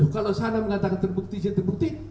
kalau sana mengatakan terbukti saya terbukti